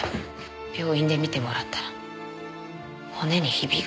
病院で診てもらったら骨にヒビが。